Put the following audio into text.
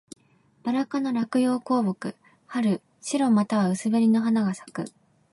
ばら科の落葉高木。春、白または薄紅の花が咲く。